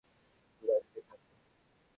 শুধু গাড়িতেই থাক।